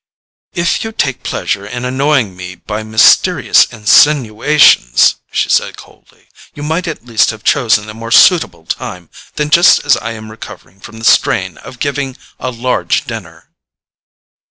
"If you take pleasure in annoying me by mysterious insinuations," she said coldly, "you might at least have chosen a more suitable time than just as I am recovering from the strain of giving a large dinner."